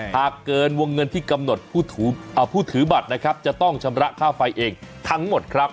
หากเกินวงเงินที่กำหนดผู้ถือบัตรนะครับจะต้องชำระค่าไฟเองทั้งหมดครับ